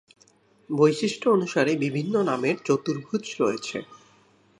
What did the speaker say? বৈশিষ্ট্য অনুসারে বিভিন্ন নামের চতুর্ভুজ রয়েছে।